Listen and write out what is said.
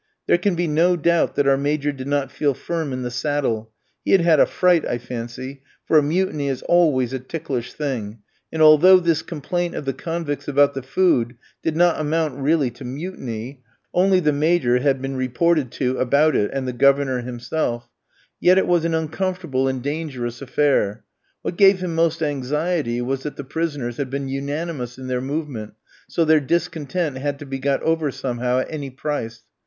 There can be no doubt that our Major did not feel firm in the saddle; he had had a fright, I fancy, for a mutiny is always a ticklish thing, and although this complaint of the convicts about the food did not amount really to mutiny (only the Major had been reported to about it, and the Governor himself), yet it was an uncomfortable and dangerous affair. What gave him most anxiety was that the prisoners had been unanimous in their movement, so their discontent had to be got over somehow, at any price.